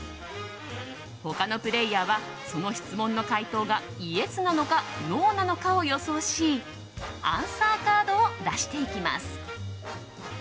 他のプレイヤーはその質問の回答がイエスなのかノーなのかを予想しアンサーカードを出していきます。